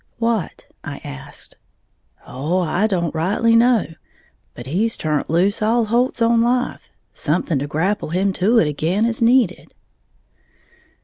"What?" I asked. "Oh, I don't rightly know. But he's turnt loose all holts on life; something to grapple him to it again is needed."